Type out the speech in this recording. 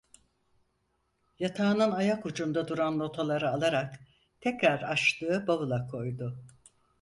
Yatağının ayakucunda duran notaları alarak, tekrar açtığı bavula koydu.